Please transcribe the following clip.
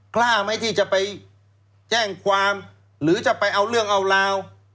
กล้าไหมที่จะไปแจ้งความหรือจะไปเอาเรื่องเอาราว